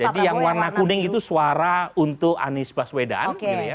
jadi yang warna kuning itu suara untuk anies baswedan